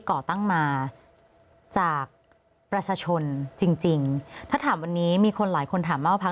ก่อตั้งมาจากประชาชนจริงจริงถ้าถามวันนี้มีคนหลายคนถามว่าพัก